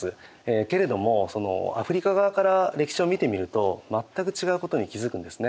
けれどもアフリカ側から歴史を見てみると全く違うことに気づくんですね。